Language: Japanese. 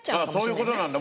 そういう事なんだ。